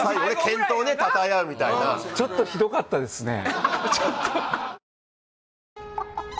健闘をたたえあうみたいな最後ぐらいはなちょっとひどかったですね